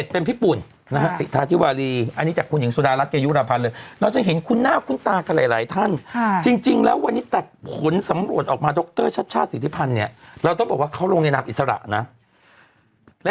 ๑๑เป็นพี่ปุ่นอันนี้จากคุณหญิงสุดาลัดเกยุราพันธุ์เลยเราจะเห็นคุณหน้าคุณตากันหลายท่านจริงแล้ววันนี้แต่ขุนสำรวจออกมาดรชาติชาติศิษภัณฑ์เนี่ยเราต้องบอกว่าเขาลงในนักอิสระนะ